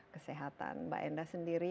kesehatan mbak enda sendiri